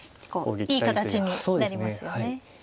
いい形になりますよね。